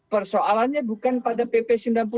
persoalannya bukan pada pp sembilan puluh delapan